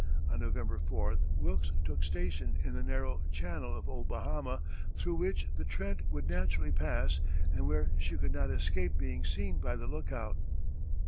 On November 4th Wilkes took station in the narrow channel of Old Bahama, through which the Trent would naturally pass and where she could not escape being seen by the lookout.